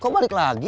kok balik lagi